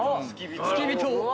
付き人を。